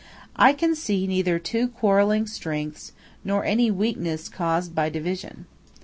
I can see neither two quarrelling strengths nor any weakness caused by division.